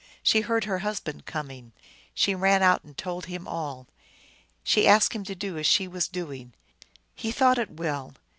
She heard her husband coming. She ran out and told him all. She asked him to do as she was doing. He thought it well.